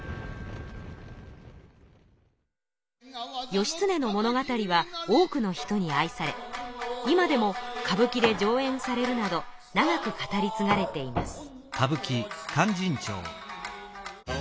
義経の物語は多くの人に愛され今でも歌舞伎で上演されるなど長く語りつがれています。